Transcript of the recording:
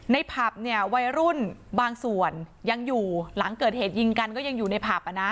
ในผับวัยรุ่นบางส่วนยังอยู่หลังเกิดเหตุยิงกันก็ยังอยู่ในผับ